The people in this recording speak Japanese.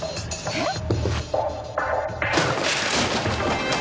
えっ！？